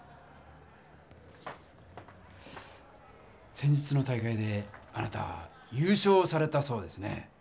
先日の大会であなた優勝されたそうですね。